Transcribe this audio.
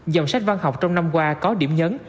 dòng sách văn học trong năm qua có điểm nhấn